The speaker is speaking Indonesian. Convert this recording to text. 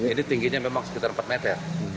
ini tingginya memang sekitar empat meter